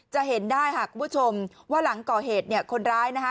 จะเห็นได้ค่ะคุณผู้ชมว่าหลังก่อเหตุเนี่ยคนร้ายนะคะ